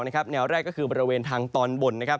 แนวแรกก็คือบริเวณทางตอนบน